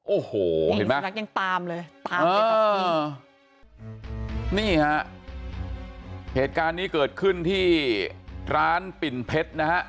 โอ้โหเห็นไหมสุนัขยังตามเลยตามไปกับนี่ฮะเหตุการณ์นี้เกิดขึ้นที่ร้านปิ่นเพชรนะฮะ